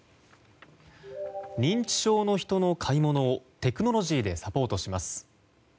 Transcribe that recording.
認知症の人の買い物をテクノロジーでサポートします。